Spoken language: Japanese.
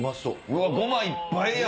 わっごまいっぱいや。